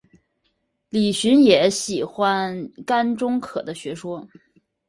李寻也喜欢甘忠可的学说。